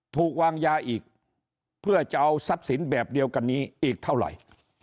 ถูกวางยาอีกเพื่อจะเอาทรัพย์สินแบบเดียวกันนี้อีกเท่าไหร่